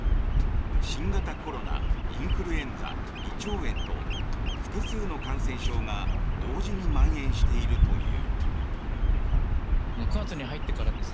新型コロナ、インフルエンザ胃腸炎と複数の感染症が同時にまん延しているという。